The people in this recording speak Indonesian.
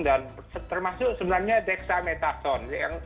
dan termasuk sebenarnya dexamethasone